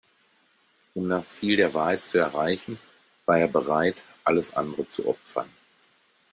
Um das Ziel der Wahrheit zu erreichen, war er bereit, alles andere zu opfern.